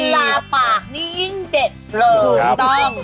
ลาปากนี่ยิ่งเด็ดเลยถูกต้อง